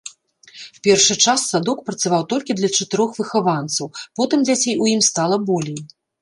Першы час садок працаваў толькі для чатырох выхаванцаў, потым дзяцей у ім стала болей.